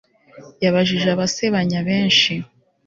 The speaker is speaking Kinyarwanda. yabajije abasebanya benshi